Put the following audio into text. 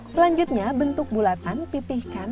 selanjutnya bentuk bulatan pipihkan